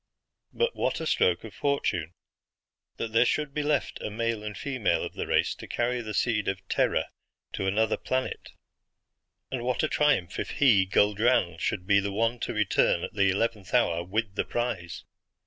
But what a stroke of fortune that there should be left a male and female of the race to carry the seed of Terra to another planet. And what a triumph if he, Guldran, should be the one to return at the eleventh hour with the prize.